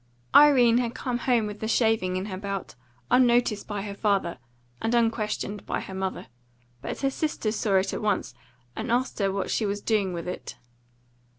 Irene had come home with the shaving in her belt, unnoticed by her father, and unquestioned by her mother. But her sister saw it at once, and asked her what she was doing with it.